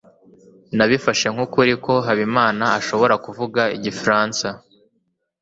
nabifashe nk'ukuri ko habimana ashobora kuvuga igifaransa